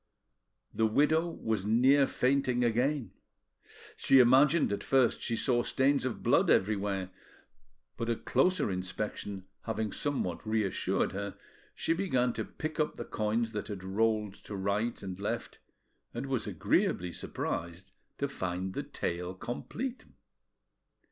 The widow was near fainting again: she imagined at first she saw stains of blood everywhere, but a closer inspection having somewhat reassured her, she began to pick up the coins that had rolled to right and left, and was agreeably surprised to find the tale complete.